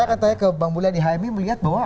saya katanya ke bang mulyani haimi melihat bahwa